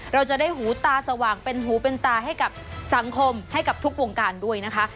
เราจะได้หูตาสว่างเป็นหูเป็นตาให้กับสังคมให้กับทุกวงการด้วยนะคะ